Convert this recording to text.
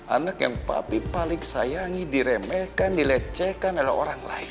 anak yang papi paling sayangi diremehkan dilecehkan oleh orang lain